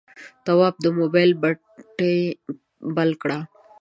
تواب د موبایل بتۍ بل کړه.